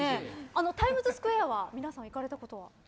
タイムズスクエアは皆さん行かれたことは？